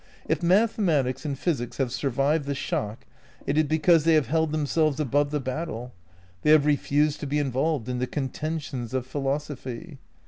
If mathematics and physics have survived the shock, it is because they have held themselves above the battle; they have re fused to be involved in the contentions of philosophy.